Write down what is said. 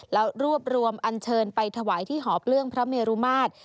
แล้วรวบรวมอันเชิญไปถวายที่หอเปลื้องพระเมรุมาตร